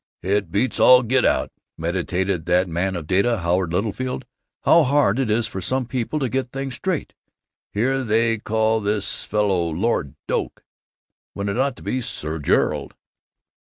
"It beats all get out," meditated that man of data, Howard Littlefield, "how hard it is for some people to get things straight. Here they call this fellow 'Lord Doak' when it ought to be 'Sir Gerald.